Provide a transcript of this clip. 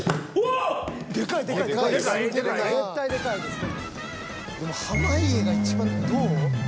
［でも濱家が一番どう？］